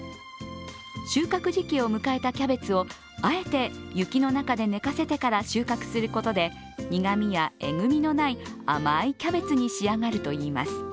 収穫時期を迎えたキャベツをあえて雪の中で寝かせてから収穫することで苦みやえぐみのない甘いキャベツに仕上がるといいます。